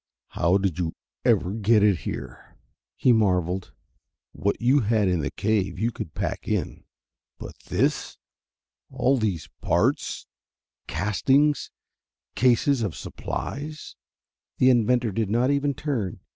"How did you ever get it here?" he marveled. "What you had in the cave you could pack in, but this all these parts castings cases of supplies " The inventor did not even turn.